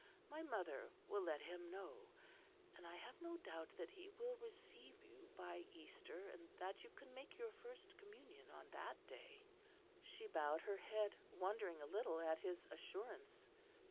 My mother will let him know; and I have no doubt that he will receive you by Easter, and that you can make your First Communion on that day." She bowed her head, wondering a little at his assurance.